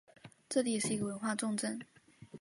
这里也是一个文化重镇。